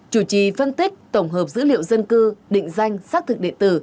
chủ trì phân tích tổng hợp dữ liệu dân cư định danh xác thực địa tử